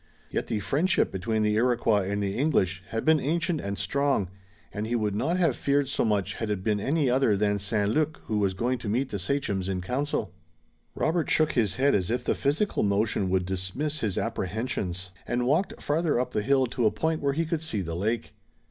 Yet the friendship between the Iroquois and the English had been ancient and strong, and he would not have feared so much had it been any other than St. Luc who was going to meet the sachems in council. Robert shook his head as if the physical motion would dismiss his apprehensions, and walked farther up the hill to a point where he could see the lake.